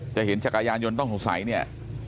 เห็นจักรยานยนต์ต้องสงสัยเนี่ย